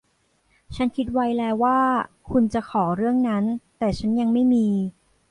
ฉันคิดไว้แล้วว่าคุณจะขอเรื่องนั้น แต่ฉันยังไม่มี